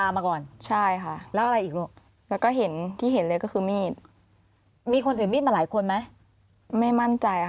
มีคนถือมีดมาหลายคนมั้ย